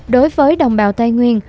đối với đồng bào tây nguyên